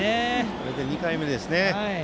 これで２回目ですね。